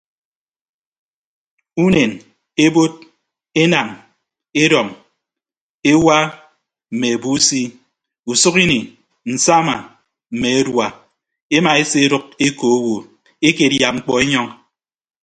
Unen ebod enañ edọñ ewa mme abusi usʌk ini nsama mme adua emaeseedʌk eko owo ekedia mkpọ enyọñọ.